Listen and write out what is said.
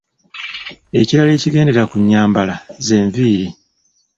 Ekirala ekigendera ku nnyambala ze nviiri.